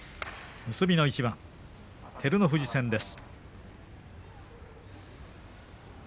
結びの一番、照ノ富士戦です。